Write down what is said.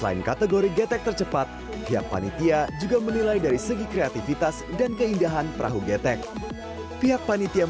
ada berapa peserta yang menyediakan lomba balet getek ini